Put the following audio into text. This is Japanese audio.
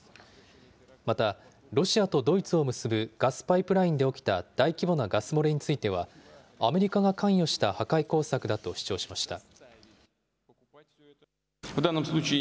また、ロシアとドイツを結ぶガスパイプラインで起きた大規模なガス漏れについては、アメリカが関与した破壊工作だと主張しました。